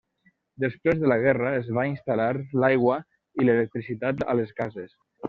Després de la guerra, es va instal·lar l'aigua i l'electricitat a les cases.